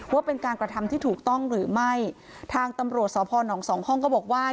ว่าเป็นการกระทำที่ถูกต้องหรือไม่ทางตำรวจสพนสองห้องก็บอกว่า